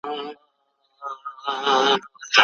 الله تعالی خاوند او ميرمن يو د بل لباس ګڼلي دي.